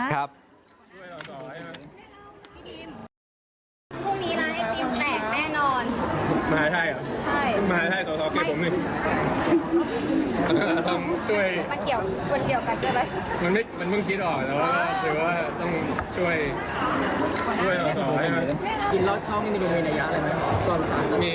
กินรอดช่องมีในย่าอะไรไหม